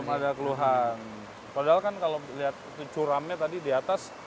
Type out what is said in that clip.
padahal kan kalau lihat curamnya tadi di atas